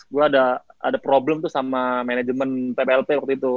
gue ada problem tuh sama manajemen pplp waktu itu